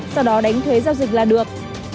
sau đó đánh thuế giao dịch là được